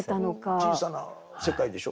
小さな世界でしょ。